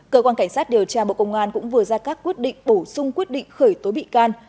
cơ quan cảnh sát điều tra bộ công an cũng vừa ra các quyết định bổ sung quyết định khởi tố bị can